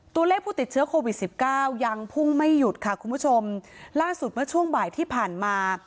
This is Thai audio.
ตัวเลขผู้ติดเชื้อโควิดสิบเก้ายังพุ่งไม่หยุดค่ะคุณผู้ชมล่าสุดเมื่อช่วงบ่ายที่ผ่านมา